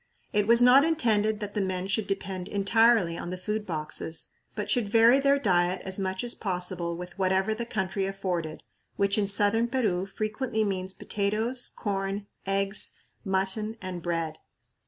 It was not intended that the men should depend entirely on the food boxes, but should vary their diet as much as possible with whatever the country afforded, which in southern Peru frequently means potatoes, corn, eggs, mutton, and bread.